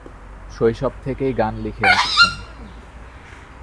শৈশব থেকেই গান লিখে আসছেন।